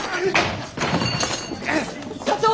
社長！